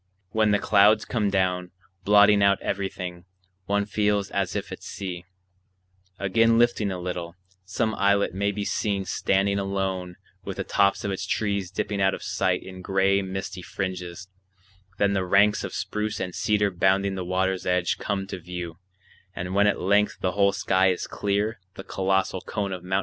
When the clouds come down, blotting out everything, one feels as if at sea; again lifting a little, some islet may be seen standing alone with the tops of its trees dipping out of sight in gray misty fringes; then the ranks of spruce and cedar bounding the water's edge come to view; and when at length the whole sky is clear the colossal cone of Mt.